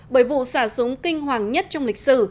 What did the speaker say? bởi vụ xả súng kinh hoàng nhất trong lịch sử